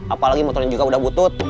apalagi motornya juga udah butuh